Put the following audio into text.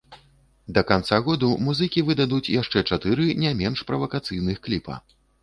Да канца году музыкі выдадуць яшчэ чатыры не менш правакацыйных кліпа.